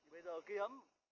bây giờ kiếm